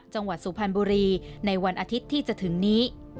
สุพรรณบุรีในวันอาทิตย์ที่จะถึงนี้